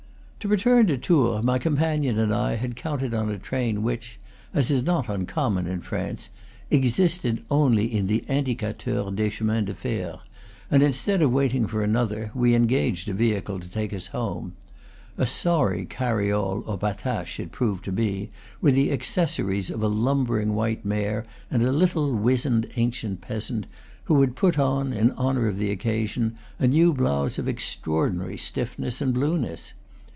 To return to Tours my companion and I had counted on a train which (as is not uncommon in France) existed only in the "Indicateur des Chemins de Fer;" and instead of waiting for another we engaged a vehicle to take us home. A sorry carriole or patache it proved to be, with the accessories of a lumbering white mare and a little wizened, ancient peasant, who had put on, in honor of the occasion, a new blouse of extraordinary stiffness and blueness.